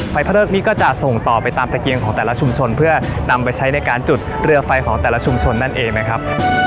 พระเริกนี้ก็จะส่งต่อไปตามตะเกียงของแต่ละชุมชนเพื่อนำไปใช้ในการจุดเรือไฟของแต่ละชุมชนนั่นเองนะครับ